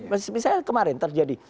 misalnya kemarin terjadi